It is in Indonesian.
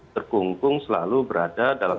terkungkung selalu berada dalam